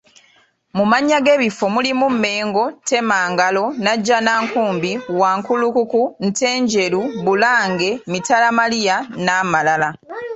Mu mannya g'ebifo mulimu Mengo, Temangalo, Najjanankumbi, Wankulukuku, Ntenjeru, Bulange, Mitalamaria n'amalala.